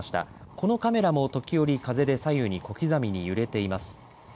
このカメラも時折、風で左右に小刻みに揺れています。